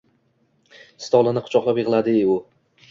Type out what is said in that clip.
Stolini quchoqlab yig‘laydi u.